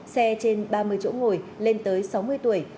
xe trên ba mươi chỗ ngồi lên tới sáu mươi tuổi